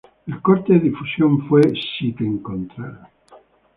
El corte difusión fue "Si te encontrara".